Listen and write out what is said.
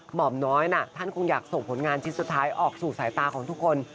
หมอมน้อยน่ะท่านคงอยากส่งผลงานชิ้นสุดท้ายออกสู่สายตาของทุกคน